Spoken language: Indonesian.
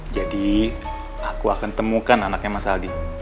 jadi aku akan temukan anaknya mas aldi